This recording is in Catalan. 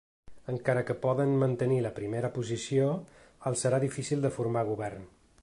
Encara que poden mantenir la primera posició, els serà difícil de formar govern.